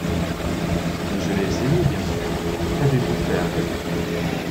Mais je l’ai essayé bien sûr. Qu’avez-vous fait avec ?